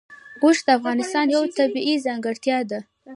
اوښ د افغانستان یوه طبیعي ځانګړتیا ده.